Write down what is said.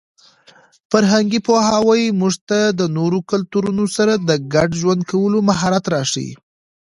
فرهنګي پوهاوی موږ ته د نورو کلتورونو سره د ګډ ژوند کولو مهارت راښيي.